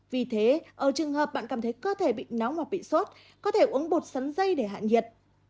vì thế ở trường hợp bạn cảm thấy cơ thể bị nóng hoặc bị sốt có thể uống bột sắn dây để hạn nhiệt